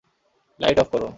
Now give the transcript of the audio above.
Light off কর।